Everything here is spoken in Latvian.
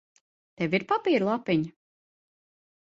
Tev ir papīra lapiņa?